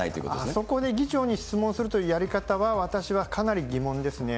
あそこで議長に質問するというやり方は、私はかなり疑問ですね。